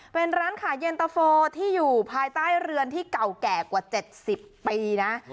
เป็นร้านขายเย็นตะโฟที่อยู่ภายใต้เรือนที่เก่าแก่กว่า๗๐ปีนะ